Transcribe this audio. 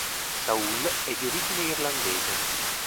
Saul è di origine irlandese.